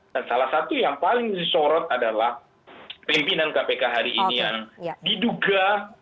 dan salah satu yang paling disorot adalah pimpinan kpk hari ini yang diduga